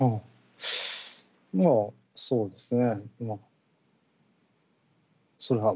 まあそうですね。